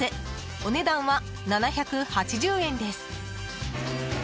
お値段は７８０円です。